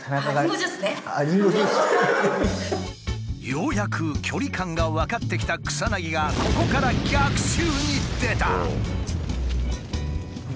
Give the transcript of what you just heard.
ようやく距離感が分かってきた草薙がここから逆襲に出た！